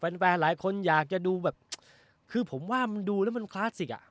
แฟนหลายคนอยากจะดูแบบคือผมว่ามันดูแล้วมันคลาสสิกอ่ะ